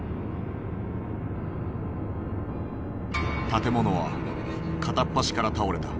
建物は片っ端から倒れた。